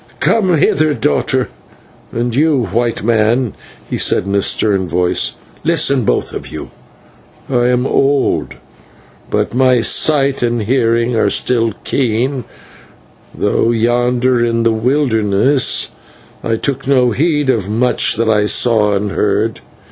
"Come hither, daughter, and you, White Man," he said, in a stern voice. "Listen, both of you I am old, but my sight and hearing are still keen, though yonder in the wilderness I took no heed of much that I saw and heard.